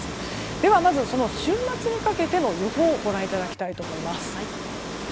では、まず週末にかけての予報ご覧いただきたいと思います。